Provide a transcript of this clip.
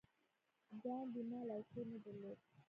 ګاندي مال او کور نه درلود.